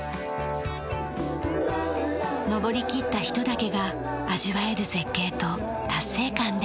登りきった人だけが味わえる絶景と達成感です。